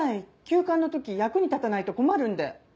急患の時役に立たないと困るんで。